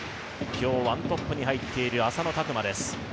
今日、ワントップに入っている浅野拓磨です。